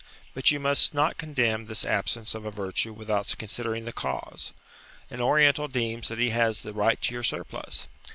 But you must not condemn this absence of a virtue without considering the cause. An Oriental deems that he has the right to your surplus.